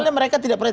saya kan tidak pernah